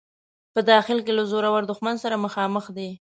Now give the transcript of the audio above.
په داخل کې له زورور دښمن سره مخامخ دی.